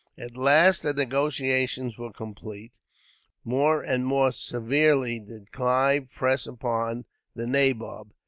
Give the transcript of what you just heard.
At last, the negotiations were complete. More and more severely did Clive press upon the nabob.